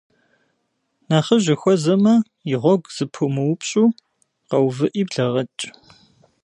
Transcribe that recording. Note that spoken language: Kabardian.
Нэхъыжь ухуэзэмэ, и гъуэгу зэпумыупщӏу, къэувыӏи блэгъэкӏ.